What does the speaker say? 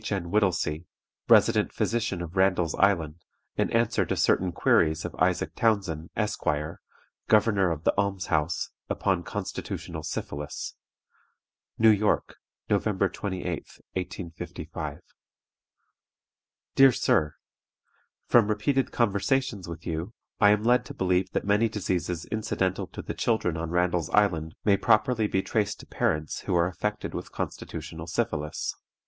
N. WHITTELSEY, Resident Physician of Randall's Island, in answer to certain queries of ISAAC TOWNSEND, Esq., Governor of the Alms house, upon Constitutional Syphilis: "New York, November 28, 1855. "DEAR SIR, From repeated conversations with you, I am led to believe that many diseases incidental to the children on Randall's Island may properly be traced to parents who are affected with constitutional syphilis.